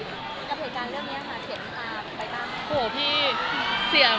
กับเหตุการณ์เรื่องนี้ค่ะเขียนตาไปบ้าง